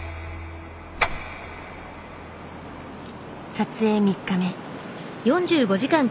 撮影３日目。